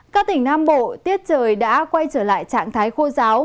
các tỉnh nam bộ tiết trời đã quay trở lại trạng thái khô giáo